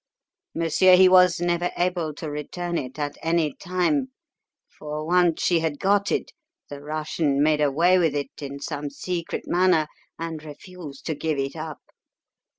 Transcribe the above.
Monsieur, he was never able to return it at any time, for, once she had got it, the Russian made away with it in some secret manner and refused to give it up.